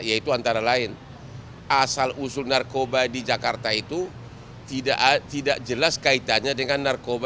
yaitu antara lain asal usul narkoba di jakarta itu tidak jelas kaitannya dengan narkoba